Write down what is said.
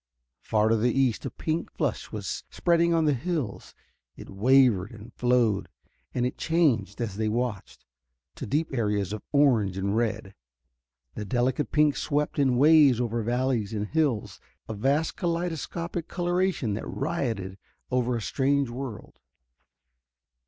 Far to the east a pink flush was spreading on the hills. It wavered and flowed, and it changed, as they watched, to deep areas of orange and red. The delicate pink swept in waves over valleys and hills, a vast kaleidoscopic coloration that rioted over a strange world.